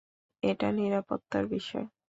এটা নিরাপত্তার বিষয়।